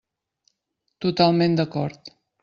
Totalment d'acord.